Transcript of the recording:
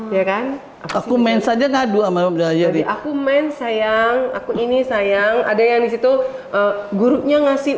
ya kan aku main saja ngadu sama belajar di aku main sayang aku ini sayang ada yang disitu gurunya ngasih